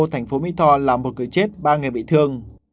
thành phố my tho làm một người chết ba người bị thương